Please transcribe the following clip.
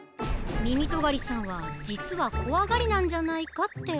みみとがりさんはじつはこわがりなんじゃないかって。